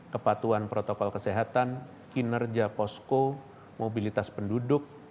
kepatuhan protokol kesehatan kinerja posko mobilitas penduduk